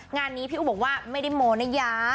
งานนี้พี่อู๋บอกว่าไม่ได้โมนะยา